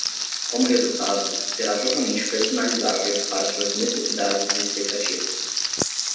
Como resultado, será totalmente personalizável para suas necessidades e expectativas.